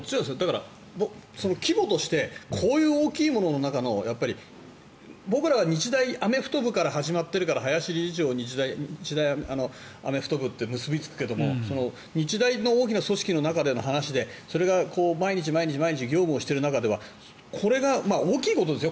規模としてこういう大きいものの中の僕らは日大アメフト部から始まってるから林理事長日大アメフト部って結びつくけど日大の大きな組織の中での話でそれが毎日毎日業務をしている中ではこれ、大きいことですよ